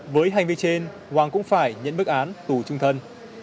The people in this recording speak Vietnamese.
với hành vi trên hoàng cũng phải nhận bức án tù trung thân